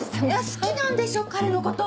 好きなんでしょ彼のこと。